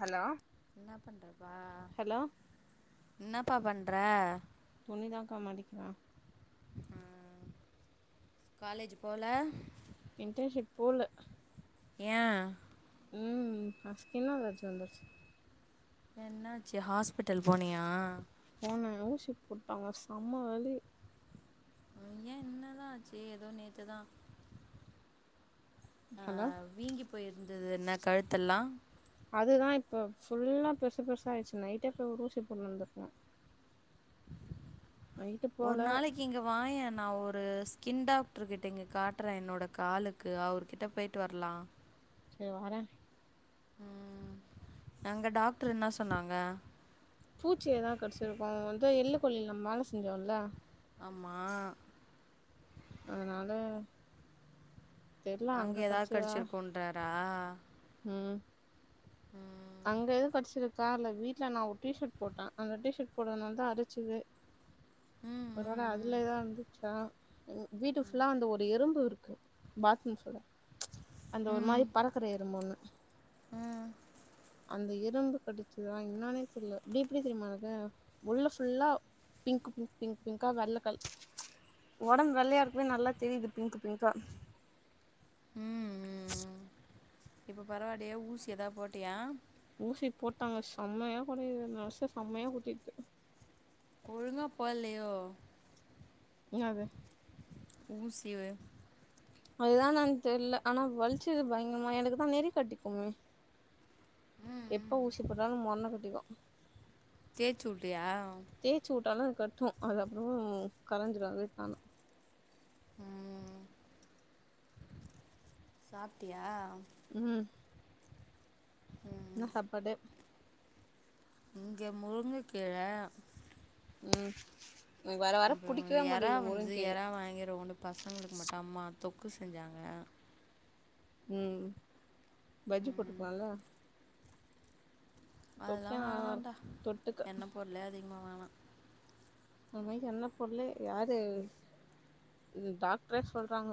hello என்ன பண்றப்பா hello என்னப்பா பண்ற துணிதாக்கா மடிக்றே ஆ காலேஜ் போல இன்டன்ஷிப் போல ஏன் ம் அ ஸ்கின் அலர்ஜி வந்துர்ச்சு ஏ என்னாச்சு ஹாஸ்பிட்டல் போனியா போனே ஊசி போட்டாங்க செம்ம வலி ஏன் என்னதா ஆச்சு எதோ நேத்துதா அ ஹலோ வீங்கி போயிருந்தது என்ன கழுத்தெல்லா அதுதா இப்ப ஃபுல்லா பெருசு பெருசா ஆயிச்சு நைட்டே போய் ஒரு ஊசி போட்டுன் வந்துருக்கே நைட்டு போல ஒரு நாளைக்கு இங்க வாயே நா ஒரு ஒரு ஸ்கின் டாக்ட்ரு கிட்ட இங்க காட்றே என்னோட காலுக்கு அவர்கிட்ட பேய்ட்டு வர்லா செரி வரே ம் அங்க டாக்ட்ரு என்ன சொன்னாங்க பூச்சி எதா கடிச்சிருக்கு வந்து எள்ள கொள்ளைல நம்ம வேல செஞ்சோல ஆமா அதனால தெர்ல அங்க எதாது கடிச்சதா கடிச்சிருக்குன்றாரா ம் ம் அங்க எது கடிச்சிருக்கா இல்ல வீட்ல நா ஒரு டீ ஷர்ட் போட்டே அந்த டீ ஷர்ட் போட்டதுனால தா அரிச்சிது ம் ஒருவேல ம் அதுல எதா இருந்துச்சா ம் வீட்டு ஃபுல்லா அந்த ஒரு எறும்பு இருக்கு பாத்ரூம் [unintelligible] அந்த ஒரு ம் மாரி பறக்குற எறும்பு ஒன்னு ம் அந்த எறும்பு கடிச்சுதா என்னானே தெரில இப்டி இப்டி தெரியுமா உனக்கு உள்ள ஃபுல்லா பிங்க் பிங்க் பிங்க் பிங்கா வெள்ள கலர் ஒடம்பு வெள்ளையா இருக்குவே நல்லா தெரிது பிங்க் பிங்க்கா ம் ம் இப்போ பரவாலையா ஊசி எதா போட்டையா ஊசி போட்டாங்க செம்மயா பண்ணிருக்கு நர்ஸ் செம்மயா குத்திருக்கு ஒழுங்க போல்லோயோ என்னாது ஊசி அதுதா நானு தெர்ல ஆனா வலிச்சது பயங்கரமா எனக்கு தா நெறி கட்டிக்குமே எப்போ ஊசி போட்டாலு மொன்ன குத்திக்கு தேச்சு உட்டியா தேச்சு உட்டாலு அது கட்டு அது அப்புறோ கரஞ்சிடு அதுவே தானா ம் சாப்ட்டியா ம் ம் என்ன சாப்பாடு இங்க முருங்கக்கீர ம் எனக்கு வர வர அப்புறோ புடிக்கவே எறா மாட்டேங்குது வந்தது முருங்கீர எறா வாங்கி ரவோண்டு பசங்களுக்கு மட்டு அம்மா தொக்கு செஞ்சாங்க ம் பஜ்ஜி ம் போட்ருக்கலால அதெல்லா தொக்கே நல்லா வேணான்டா இருக்கு தொட்டுக்க எண்ண பொருளோ அதிகமா வேணா இன்னமேக்கு எண்ண பொருளே யாரு இது டாக்டரே சொல்றாங்க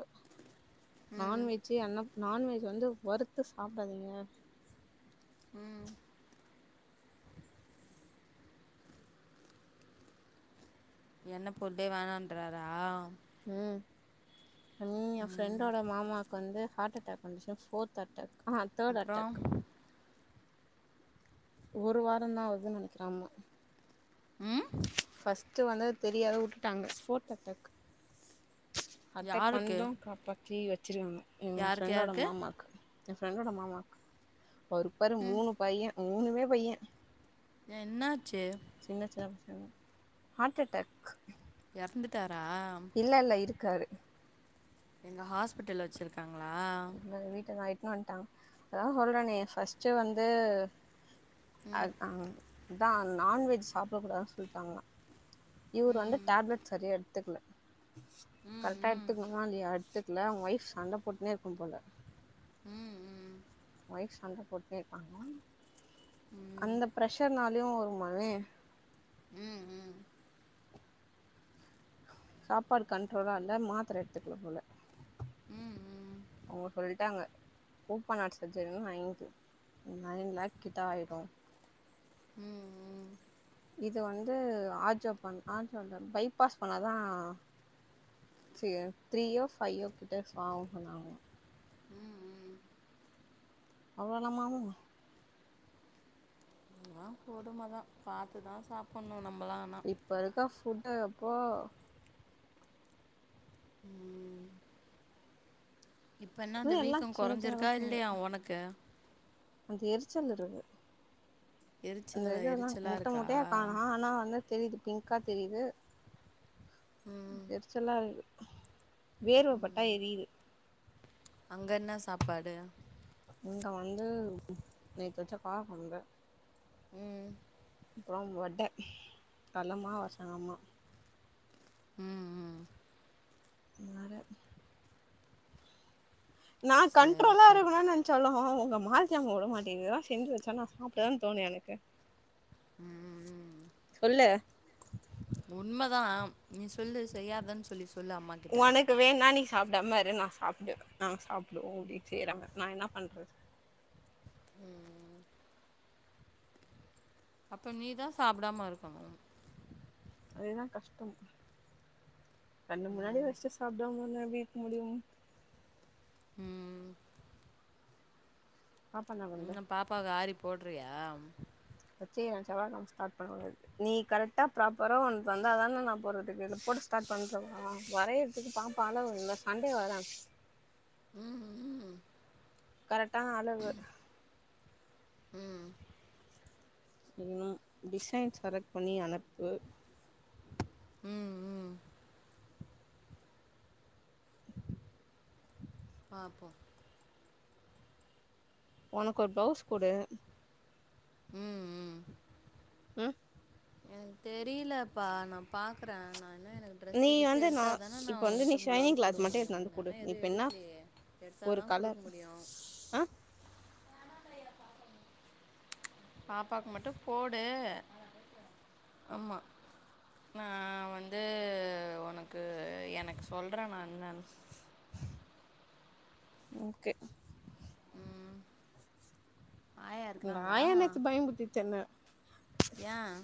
ம் நான்வெஜ்ஜே எண்ண நான்வெஜ் வந்து வறுத்து சாப்டாதீங்க ம் எண்ண பொருளே வேணான்றாரா ம் நீ என் ம் ஃப்ரெண்டோட மாமாவுக்கு வந்து ஹார்ட் அட்டாக் வந்துச்ச ஃபோர்த் அட்டாக் ஆ தேர்ட் அப்புறம் அட்டாக் ஒரு வாரந்தா ஆகுது நெனைக்கற ஆமா ம் ஃபஸ்ட்டு வந்தது தெரியாத உட்டுட்டாங்க ஃபோர்த் அட்டாக் அட்டாக் யாருக்கு வந்து காப்பாத்தி வெச்சிருவாங்க ஏ யாருக்கு ஃப்ரெண்டோட யாருக்கு மாமாக்கு எ ஃப்ரெண்டோட மாமாக்கு அவருக்கு பாரு ம் மூணு பையே மூணுமே பையே என்னாச்சு சின்ன சின்ன பசங்க ஹார்ட் அட்டாக் எறந்துட்டாரா இல்ல இல்ல இருக்காரு எங்க ஹாஸ்பிட்டல்ல வச்சிருக்காங்களா வீட்டுக்கு இட்டுன்னு வந்ட்டாங் அதா சொல்றனே ஃபஸ்ட்டு வந்து ஆ ம் அதான் நான்வெஜ் சாப்பிடக்க கூடாதுன்னு சொல்லிட்டாங்கா இவர் வந்து ம் டேப்லெட் சரியா எடுத்துக்கல ம் கரெக்டா ம் எடுத்துக்கணுமா இல்லையா எடுத்துக்க க்கல அவுங்க ஒய்ஃப் சண்ட போட்டுன்னே இருக்கும் போல ம் ம் ஒய்ஃப் சண்ட போட்டுன்னே இருப்பாங்களாம் ம் ம் அந்த ஃப்ரஷர்னாலயு வருமாவே ம் ம் சாப்பாடு கண்ட்ரோலா தா மாத்திர எடுத்துக்கனு போல ம் ம் அவுங்க சொல்ட்டாங்க ஒபன் ஆட் சர்ஜரின ஐந்து நைன் லேக் கிட்ட ஆயிடு ம் ம் இது வந்து ஆஜோ பண்ண ஆஜோ பைபாஸ் பண்ணாதா செரி த்ரீயோ ஃபைவோ கிட்ட ஆகு சொன்னங்க் ம் ம் அவ்ளோளமாமூ எல்லா கொடும தா பாத்து தா சாப்பணு நம்மளா இப்ப இருக்கற ஃபுட்டு எப்பா ம் இப்ப என்ன இது அந்த எல்லா வீக்கம் சின்ன சின்ன கொறஞ்சிருக்கா பசங்க இல்லையா உனக் க அந்த எரிச்சல் இருக்கு அந்த எரிச்சலா இது எல்லா எரிச்சலா முட்ட இருக்கா முட்டையா காணோ ஆனா வந்து தெரிது பிங்க்கா தெரிது ம் எரிச்சலா இருக்கு வேர்வப்பட்டா எரிது அங்க என்ன சாப்பாடு இங்க வந்து நேத்து வச்ச கார கொழம்பு ம் அப்றம் வட கலமா வசங்கம்மா ம் ம் வேற நா சரி கண்ட்ரோலா சரி இருக்கனு நெ னச்சாலு உங்க மாலத்தி அங்க விடமாட்டேங்கறா செஞ்ச வச்சா நா சாப்படதான தோணு எனக்கு ம் ம் சொல்லு உண்மதா நீ சொல்லு செய்யாதன் சொல்லி சொல்லு அம்மா கிட்ட உனக்கு வேணா நீ சாப்பிடாம இரு நா சாப்டுவ நாங்க சாப்டுவோ அப்டி செய்றாங்க நா என்ன பண்றது ம் அப்ப நீ தா சாப்படாம இருக்கணு அதேதா கஷ்டம் கண்னு முன்னாடி ம் வச்ட்டு சாப்டாம இருந்த எப்டி இருக்க முடியு ம் பாப்பா என்னா பன்ந்து இப்ப அது ஆரி போட்றியா நீ கரெக்டாக ப்ராப்பரா ஒன்னு தந்ததான நா போறதுக்கு இத போட்டு ஸ்டார்ட் பண்றவா வரையதுக்கு பாப்பா அளவு இல்ல சண்டே வர ம் ம் கரெக்டான அளவு ம் இன்னு டிசைன் செலக்ட் பண்ணி அனுப்பு ம் ம் பாப்போ உனக்கு ஒரு பிளவுஸ் போடு ம் ம் ம் எனக்கு தெரிலப்பா நா பாக்குற நா என்ன எனக் நீ ட்ரெஸ்ஸுகிஸ்ஸு வந்து நா எடுத்தா தானே நா இப்ப வந்து நீ வுனக்கிட்ட ஷைனிங் ப்ளவுஸ் கிளாத் குடுக்க மட்டு முடியு எடுத்துனு வந்து குடு நானா எது இப்ப என்ன எடுக்லயே எடுத்தா ஒரு தா குடுக்க கலர் முடியு ஆ பாப்பாக்கு மட்டு போடு ஆம்மா நா வந்து உனக்கு எனக்கு சொல்றே நா என்னானு ஓகே ம் ஆயா இருக்கிறாங்களா நாயே நேத்து பயம்புத்தித்தென்ன ஏன்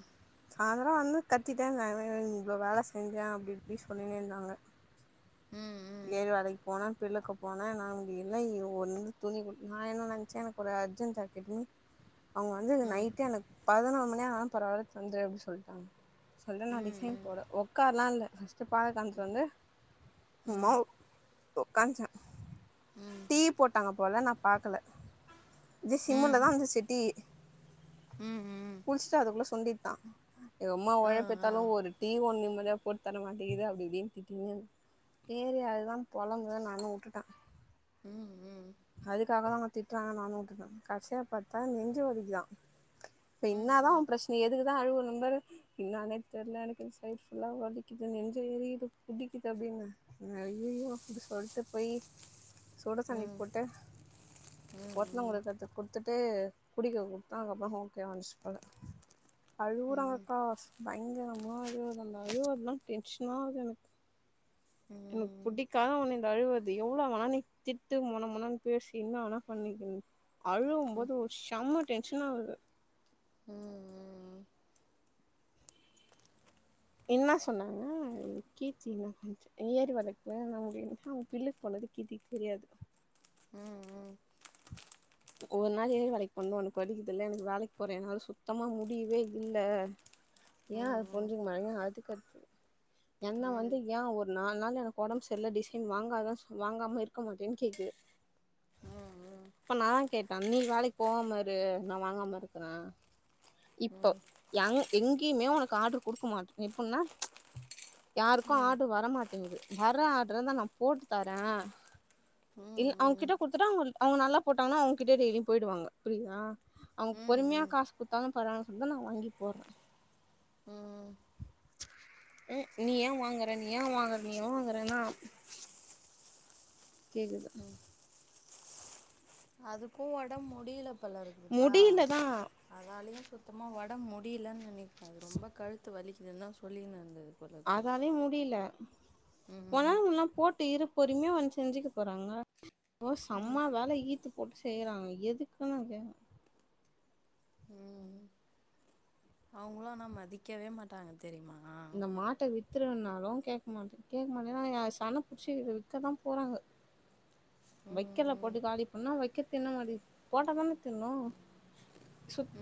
அதலா வந்து கத்திட்டே இருந்தாங்க இவ்ளோ வேல செஞ்சே அப்டி இப்டி சொல்லின்னே இருந்தாங்க ம் ம் ஏரு வேலை போனா பில்லுக்கு போனே நா அங்கு [unintelligible] நா என்ன நெனச்சே எனக்கு ஒரு அர்ஜெண்ட் ஜாக்கெட்டு அவங்க வந்து அந்த ம் நைட்டே எனக் பதனோரு மணி ஆனாலு பரவால்ல தந்துரு அப்டி சொல்ட்டாங்க சோ வந்து நா ம் டிசைன் போட உக்கார்ல்லா இல்ல ஃபஸ்ட்டு பாலகாம்ச்சு வந்து ம் ம் மவ் உக்காஞ்சே டீ போட்டாங்க போல நா பாக்கல [unintelligible] சிம்ல ம் தா இருஞ்சு டி ம் ம் ஃபர்ஸ்ட் அதுக்குள்ள சுந்தி தா எம்மா ஆ ஆ உழைப்பத்தாலு ஒரு டீ ஒன்னு நிம்மதியா போட்டு தர மாட்டேங்குது அப்டிஇப்டினு திட்டினே ஏரிய அது தா [unintelligible] நானு வுட்டுட்ட ம் ம் அதுக்காக தா அவங்க திட்டுறாங்கன் நானு வுட்டுட்டே கடைசியா பாத்தா நெஞ்சு வலிக்குதா இப்ப ம் என்னாதா உ ம் ப்ரச்சன எதுக்குதா அழுவ நம்பரு என்னானே தெர்ல எனக்கு சைட்ஃபுல்லா வலிக்கிது நெஞ்சு எரியுது புடிக்கிது அப்டீன்னு அய்யய்யோ இது சொல்த்த பொயி சுடு ம் தண்ணி ம் போட்டு ஒத்தனங் குடுக்கற்துக்குன் த்துட்டு குடிக்க குடுத்தாங்கப்புறோ ஹோம்கே வந்துச்சு போல ம் ம் ம் ம் அழுவுறாங்க்காஸ் பயங்கரமா அழுவுது அந்த அழுவருதுதா டென்ஷனாவுது எனக்கு எனக்கு புடிக்காத ஒன்னு இந் து அழுவருது எவ்ளோ வேணா நீ திட்டு மொண மொணங் பேசி என்னா வேணா பண்ணிக்கிங் அழுவும்போது ஒரு ஷெம்ம டென்ஷனாவுது ம் என்னா சொன்னாங்க இந் கீர்த்தி இன்னா பண்ச்சு இயரு வழக்கே இன்னு முடியல ஹவ் பில்லுக்கு போனது கீர்த்திக்கு தெரியாது ம் ம் ஒவ்வொரு நாள் ஏறு வேலைக்கு போண்ணா உனக்கு வலிக்குதில்ல எனக்கு வேலைக்கு போறே என்னால சுத்தமா முடியவே இல்ல ஏ ம் ம் அது ம் புரிஞ்சிக்க மாட்டேங்க அதுக்கடுத்து என்ன வந்து ஏ ஒரு நால் நாலு எனக்கு ஒடம்பு செரில்ல டிசைன் வாங்காத சொ வாங்காம இருக்க மாட்டேயான் கேக்குது ம் அப்ப நாங் கேட்டே நீ வேலைக்கு போவாம இரு நா வாங்காம இருக்கறே இப்போ எங் எங்கியுமே உனக்கு ஆர்டுரு குடுக்க மாட்ரு எப்பன்னா ச் யாருக்கு ஆர்டரு வர மாட்டேங்கிது வர்ற ஆர்டருந்தா நா போட்டு தரே இ அவங்கிட்ட குடுத்துட்டா அவங்க அவங்க நல்லா போட்டாங்கன்னா அவங்கிட்டேயே டெய்லியு போயிடுவாங்க புரியுதா அவங்க பொறுமையா காசு குடுத்தாங்கன்னு பரவால சொல்லிதா நா வாங்கிக் போறே ம் ச் ம் நீ ஏ வாங்கற நீ ஏ வாங்கற நீ ஏ வாங்கறேன்னா கேக்குது ம் அதுக்கு ஒடம் முடியில முடிலதா அதாலயு சுத்தமா ஒடம் முடியிலன் நெனக்கிற அது ரொம்ப கழுத்து வலிக்குதுன்னு தா சொல்லிகின்னு இருந்துது அதாலயு முடில ஒன்னால ம் முட்லனா போட்டு இரு பொருமையா வந்து செஞ்சுக்க போறாங்க போ செம்ம வேல ஈத்து போட்டு செய்யறாங்க எதுக்குன்னு நா கேக் ம் அவுங்களு ஆனா மதிக்கவே மாட்டாங்க தெரிமா இந்த மாட்ட வித்தரனாலு கேக்க மாட்ட கேக் மாட் ஏனா நீங்க சன்ன புடிச்சு விக்கதா போறாங்க ம் வக்கல ம் போட்டு காலி பண்ணா வக்க தின்ன மாரி போட்ட தான திண்ணோ சுத்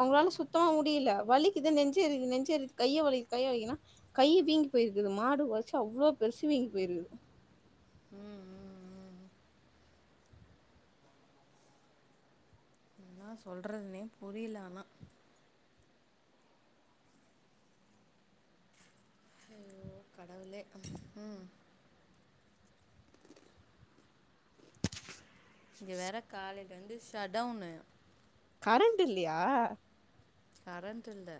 அவுங்ளால சுத் தமா முடில வலிக்குது நெஞ்சேறிது நெஞ்சேறி கைய வலிக் கைய வலிக்குனா கையி வீங்கி போயிருக்குது மாடு ஒதச்சு அவ்ளோ பெருசு வீங்கி போயிருக்குது ம் ம் ம் என்ன சொல்றதுனே புரில ஆனா ஐயோ கடவுளே ம் இங்க வேற காலைலேருந்து ஷட்டவுனு கரண்ட் இல்லையா கரண்ட்டுல்ல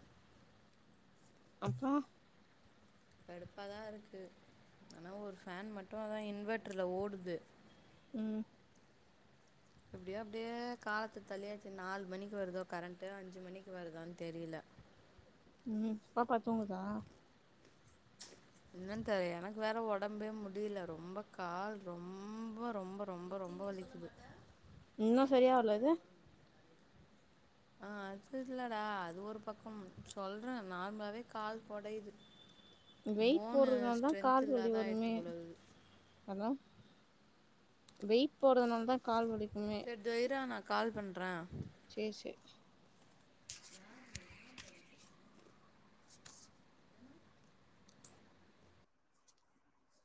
அப்ரோ கடுப்பாதா இருக்கு ஆனா ஒரு ஃபேன் மட்டு அதா இன்வெட்டர்ல ஓடுது ம் எப்டியோ அப்டியே காலத்த தள்ளியாச்சி நாலு மணிக்கு வருதோ கரண்ட்டு அஞ்சு மணிக்கு வருதான்னு தெரில ம் பாப்பா தூங்குதா என்னன் தெரில எனக்கு வேற உடம்பே முடியல ரொம்ப கால் ரொம்ப ரொம்ப ரொம்ப ரொம்ப வலிக்குது இன்னு சரியா வரல இது ஆ அது இல்லடா அது ஒரு பக்கம் சொல்றேன் நார்மலாவே கால் கொடையுது வெயிட் போனு போட்றதுனால தான் ஸ்ட்ரென்த் கால் வலி இல்லாத ஆயிடுத்து வருமே போல இருக்குது ஹலோ வெயிட் போட்றதுனால தான் கால் வலிக்குமே இந்தோ இர்ரா நா கால் பண்ணற செ செ